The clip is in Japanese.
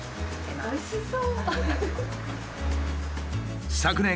おいしそう。